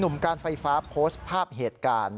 หนุ่มการไฟฟ้าพสภาพเหตุการณ์